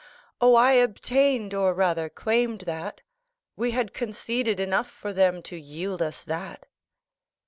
"Oh, I obtained, or rather claimed that; we had conceded enough for them to yield us that."